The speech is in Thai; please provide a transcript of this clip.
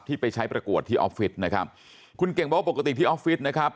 ไปใช้ประกวดที่ออฟฟิศนะครับคุณเก่งบอกว่าปกติที่ออฟฟิศนะครับ